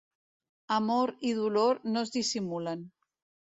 Amor i dolor no es dissimulen.